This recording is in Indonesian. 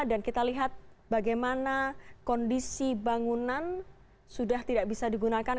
dan kita lihat bagaimana kondisi bangunan sudah tidak bisa digunakan